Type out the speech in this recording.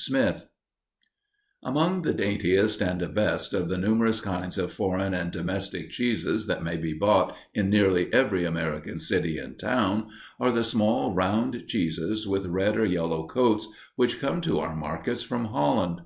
SMITH Among the daintiest and best of the numerous kinds of foreign and domestic cheeses that may be bought in nearly every American city and town, are the small round cheeses with red or yellow coats which come to our markets from Holland.